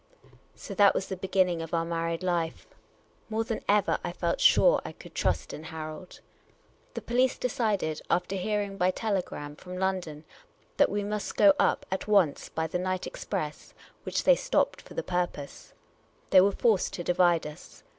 So that was the beginning of our married life. More than ever, I felt sure I could trust in Harold. The police de cided, after hear ing by telegram from L,ondon, that we must go up at once by the night express, which they stopped for the purpose. They were forced to divide us.